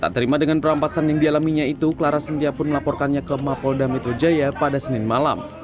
tak terima dengan perampasan yang dialaminya itu clara setia pun melaporkannya ke mapolda metro jaya pada senin malam